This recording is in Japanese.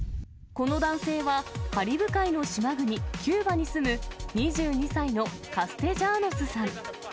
この男性は、カリブ海の島国、キューバに住む２２歳のカステジャーノスさん。